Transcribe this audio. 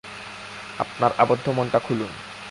আপনার আবদ্ধ মনটা খুলুন।